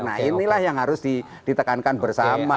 nah inilah yang harus ditekankan bersama